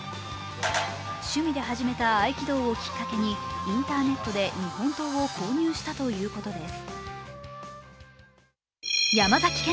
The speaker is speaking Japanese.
趣味で始めた合気道をきっかけにインターネットで日本刀を購入したということです。